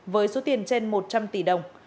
với số tiền trên một trăm linh tỷ đồng